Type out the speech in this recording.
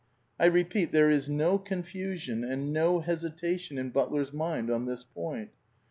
I repeat, there is no confusion and no hesi tation in Butler's mind on this point.